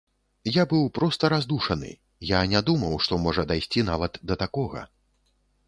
Я быў проста раздушаны, я не думаў, што можа дайсці нават да такога.